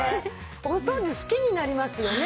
お掃除好きになりますよね。